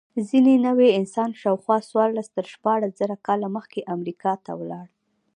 ځینې نوعې انسان شاوخوا څوارلس تر شپاړس زره کاله مخکې امریکا ته ولاړ.